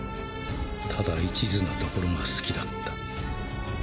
ただ一途なところが好きだった